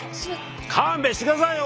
勘弁して下さいよ